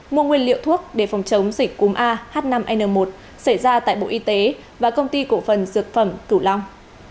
mua nguyên liệu thuốc để phòng chống dịch cúm ah năm n một xảy ra tại bộ y tế và công ty cổ phần dược phẩm cửu long